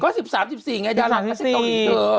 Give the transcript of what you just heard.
ก็๑๓๑๔อังกฤษเกาหลีเธอ